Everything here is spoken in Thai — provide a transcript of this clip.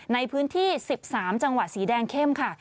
ในพื้นที่๑๓จังหวัดสีแดงเข้มค่ะ